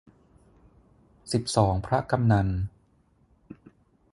สิบสองพระกำนัล